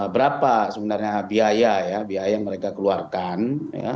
berapa sebenarnya biaya ya biaya yang mereka keluarkan